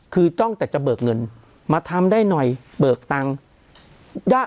คือจ้องแต่จะเบิกเงินมาทำได้หน่อยเบิกตังค์